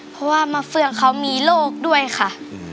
เพราะว่ามะเฟืองเขามีโรคด้วยค่ะ